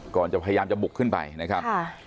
อ๋อก่อนจะพยายามจะบุกขึ้นไปนะครับค่ะ